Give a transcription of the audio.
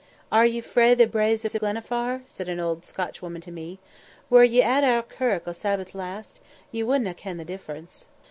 "Are ye frae the braes of Gleneffar?" said an old Scotchwoman to me; "were ye at our kirk o' Sabbath last, ye would na' ken the difference."